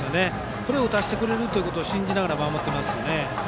これを打たせてくれると信じながら守っていますね。